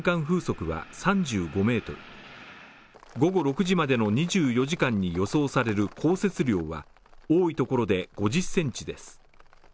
風速は３５メートル、午後６時までの２４時間に予想される降雪量は多いところで５０ｃｍです。